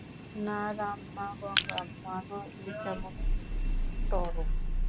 না রাম না গঙ্গা, মা গো, এ কেমনতরো!